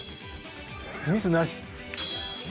ミスなし。